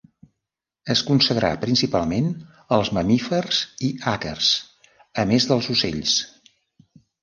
Es consagrà principalment als mamífers i àcars, a més dels ocells.